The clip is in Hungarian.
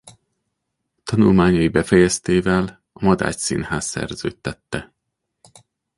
Tanulmányai befejeztével a Madách Színház szerződtette.